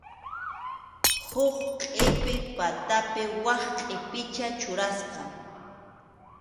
Huk qʼipi patapi wak qʼipicha churasqa.